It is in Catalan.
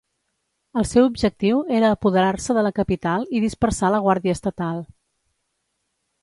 El seu objectiu era apoderar-se de la capital i dispersar la Guàrdia Estatal.